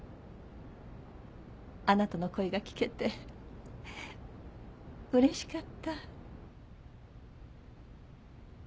あなたの声が聞けてうれしかった。